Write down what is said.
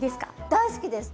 大好きです！